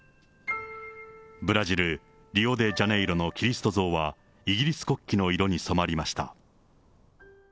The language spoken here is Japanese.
ブラジル・リオデジャネイロのキリスト像は、イギリス国旗の色に染まりました。